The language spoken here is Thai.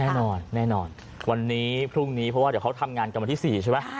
แน่นอนแน่นอนวันนี้พรุ่งนี้เพราะว่าเดี๋ยวเขาทำงานกันวันที่๔ใช่ไหม